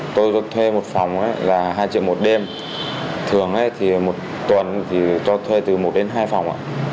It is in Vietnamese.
tôi thuê một phòng là hai triệu một đêm thường thì một tuần thì cho thuê từ một đến hai phòng ạ